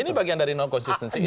ini bagian dari no consistency itu